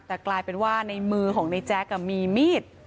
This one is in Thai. แต่กลายเป็นว่าในมือของในแจ๊กมีมีด